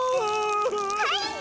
はい！